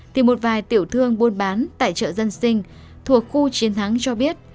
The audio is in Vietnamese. thì một vài tiểu thương buôn bán tại chợ dân sinh thuộc khu chiến thắng cho biết